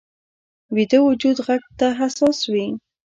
ویده وجود غږ ته حساس وي